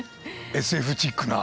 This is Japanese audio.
ＳＦチックな。